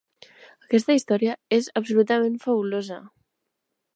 Aquesta història és absolutament fabulosa!